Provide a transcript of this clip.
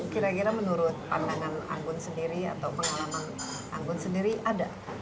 kira kira menurut pandangan anggun sendiri atau pengalaman anggun sendiri ada